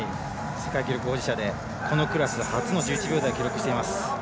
世界記録保持者でこのクラス初の１１秒台を記録しています。